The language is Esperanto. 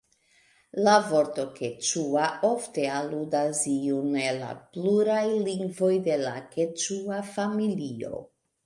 La vorto "keĉua" ofte aludas iun el la pluraj lingvoj de la keĉua familio.